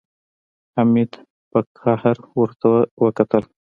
حميد په کاوړ ورته وکتل.